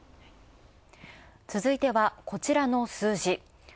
続いてはこちらの数字。